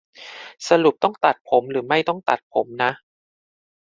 สรุปต้องตัดผมหรือไม่ต้องตัดผมนะ